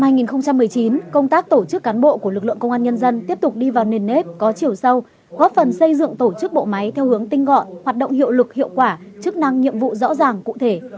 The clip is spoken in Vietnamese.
năm hai nghìn một mươi chín công tác tổ chức cán bộ của lực lượng công an nhân dân tiếp tục đi vào nền nếp có chiều sâu góp phần xây dựng tổ chức bộ máy theo hướng tinh gọn hoạt động hiệu lực hiệu quả chức năng nhiệm vụ rõ ràng cụ thể